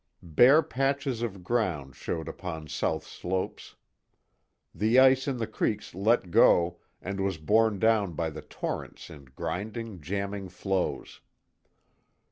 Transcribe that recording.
Bare patches of ground showed upon south slopes. The ice in the creeks let go, and was borne down by the torrents in grinding, jamming floes.